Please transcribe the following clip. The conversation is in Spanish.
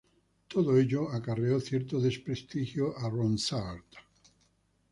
Todo ello acarreó cierto desprestigio a Ronsard.